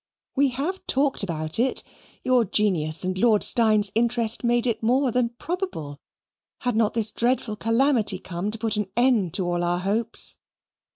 "We have talked about it. Your genius and Lord Steyne's interest made it more than probable, had not this dreadful calamity come to put an end to all our hopes.